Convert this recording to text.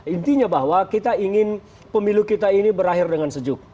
intinya bahwa kita ingin pemilu kita ini berakhir dengan sejuk